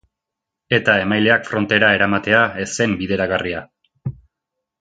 Eta emaileak frontera eramatea ez zen bideragarria.